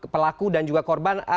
pelaku dan juga korban